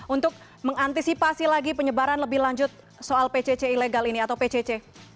untuk mengantisipasi lagi penyebaran lebih lanjut soal pcc ilegal ini atau pcc